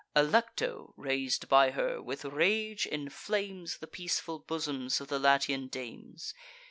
Alecto, rais'd by her, with rage inflames The peaceful bosoms of the Latian dames.